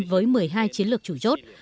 với một mươi hai chiến lược chủ chốt